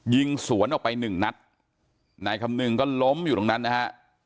ยิงสวนออกไปหนึ่งนัดนายคำนึงก็ล้มอยู่ตรงนั้นนะฮะ